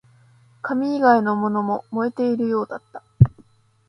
紙以外のものも燃えているようだった